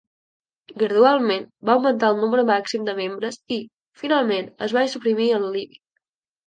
Gradualment, va augmentar el nombre màxim de membres i, finalment, es va suprimir el límit.